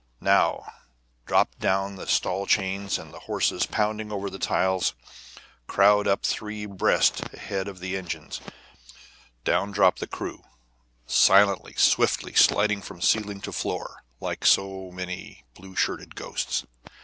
Now, down drop the stall chains, and the horses, pounding over the tiles, crowd up three abreast ahead of the engine. Down drop the crew, silently, swiftly, sliding from ceiling to floor like so many blue shirted ghosts.